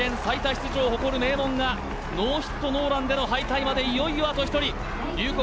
出場を誇る名門がノーヒットノーランでの敗退までいよいよあと１人龍谷